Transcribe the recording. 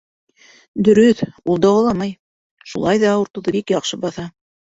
Дөрөҫ, ул дауаламай, шулай ҙа ауыртыуҙы бик яҡшы баҫа.